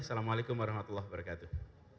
assalamualaikum warahmatullahi wabarakatuh